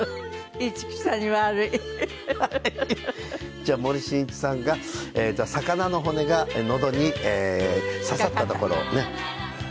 じゃあ森進一さんがじゃあ魚の骨がのどに刺さったところをね。